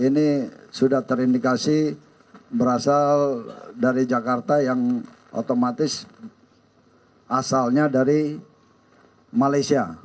ini sudah terindikasi berasal dari jakarta yang otomatis asalnya dari malaysia